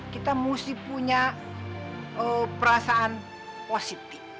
kita mesti punya perasaan positif